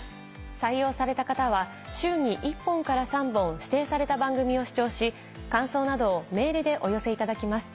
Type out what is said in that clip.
採用された方は週に１本から３本指定された番組を視聴し感想などをメールでお寄せいただきます。